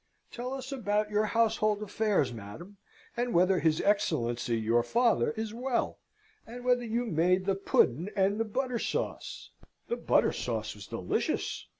Tell us about your household affairs, madam, and whether his Excellency your father is well, and whether you made the pudden and the butter sauce. The butter sauce was delicious!"